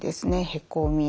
へこみ